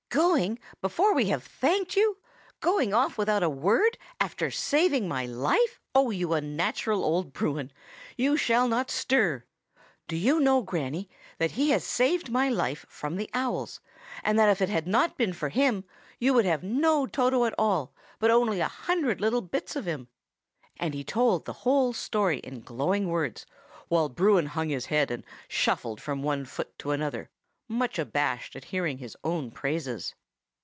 "Going, before we have thanked you? Going off without a word, after saving my life? Oh, you unnatural old Bruin! you shall not stir! Do you know, Granny, that he has saved my life from the owls, and that if it had not been for him you would have no Toto at all, but only a hundred little bits of him?" And he told the whole story in glowing words, while Bruin hung his head and shuffled from one foot to another, much abashed at hearing his own praises.